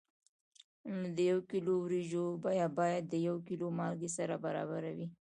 نو د یو کیلو وریجو بیه باید د یو کیلو مالګې سره برابره وي.